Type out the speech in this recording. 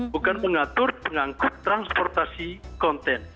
bukan mengatur pengangkut transportasi konten